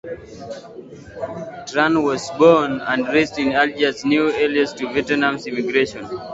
Tran was born and raised in Algiers, New Orleans to Vietnamese immigrants.